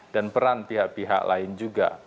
dan peran pihak pihak lain juga